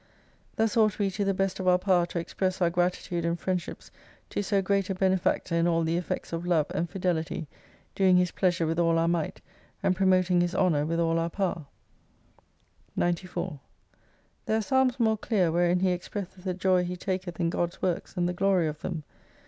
Thus ought we to the best of our power to express our gratitude and friendships to so great a benefactor in all the effects of love and fidelity, doing His pleasure with all our might, and promoting His honour with all our power, 94 There are psalms more clear wherein he expresseth the joy he taketh in God's works and the glory of them.